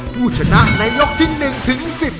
ผู้ชนะในยกที่๑ถึง๑๐